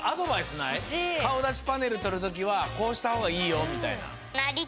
ほしい！かおだしパネルとるときはこうしたほうがいいよみたいな。